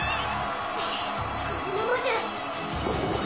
くっこのままじゃ。